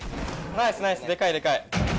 ナイスナイスでかいでかい。